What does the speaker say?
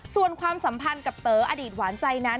ส่วนความสัมพันธ์กับเต๋ออดีตหวานใจนั้น